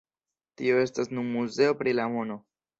Tio estas nun muzeo pri la mono.